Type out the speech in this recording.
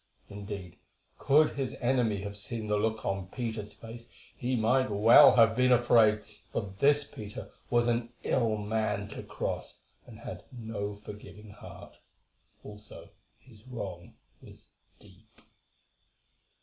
Indeed, could his enemy have seen the look on Peter's face he might well have been afraid, for this Peter was an ill man to cross, and had no forgiving heart; also, his wrong was deep.